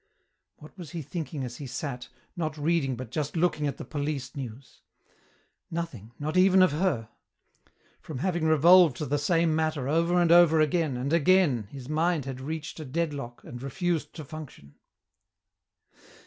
What was he thinking as he sat, not reading but just looking at the police news? Nothing, not even of her. From having revolved the same matter over and over again and again his mind had reached a deadlock and refused to function.